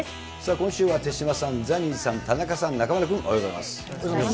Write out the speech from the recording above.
今週は手嶋さん、ザニーさん、田中さん、中丸君、おはようございます。